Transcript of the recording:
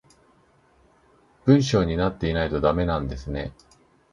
文章になってないとダメなんですね